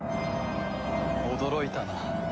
驚いたな。